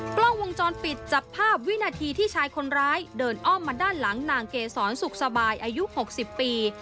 กล้องวงจรปิดจับภาพวินาทีที่ชายคนร้ายเดินอ้อมมาด้านหลังนางเกษรสุขสบายอายุ๖๐ปี